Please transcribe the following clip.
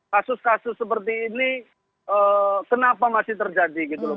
kasus kasus seperti ini kenapa masih terjadi gitu loh